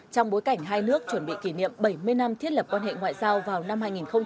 trong bối cảnh hai nước chuẩn bị kỷ niệm bảy mươi năm thiết lập quan hệ ngoại giao vào năm hai nghìn hai mươi